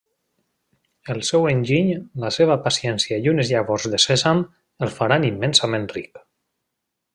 El seu enginy, la seva paciència i unes llavors de sèsam, el faran immensament ric.